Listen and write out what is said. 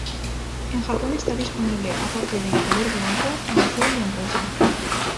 En Japón está disponible, aparte de en color blanco, en azul y en rosa.